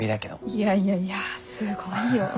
いやいやいやすごいよ。